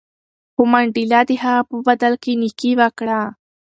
خو منډېلا د هغه په بدل کې نېکي وکړه.